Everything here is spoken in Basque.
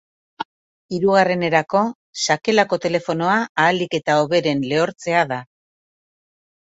Hirugarrenerako, sakelako telefonoa ahalik eta hoberen lehortzea da.